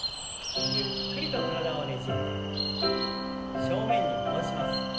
ゆっくりと体をねじって正面に戻します。